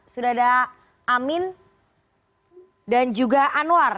sudah ada amin dan juga anwar